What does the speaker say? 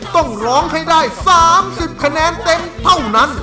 ต้องร้องให้ได้๓๐คะแนนเต็มเท่านั้น